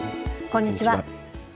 こんにちは。